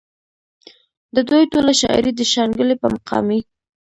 د دوي ټوله شاعري د شانګلې پۀ مقامي